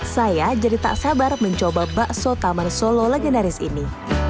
saya jadi tak sabar mencoba bakso taman solo legendaris ini